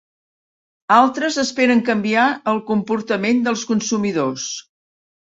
Altres esperen canviar el comportament dels consumidors.